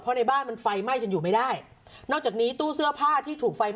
เพราะในบ้านมันไฟไหม้จนอยู่ไม่ได้นอกจากนี้ตู้เสื้อผ้าที่ถูกไฟ